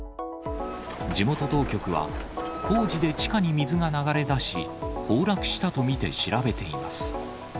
地元当局は、工事で地下に水が流れ出し、崩落したと見て調べています。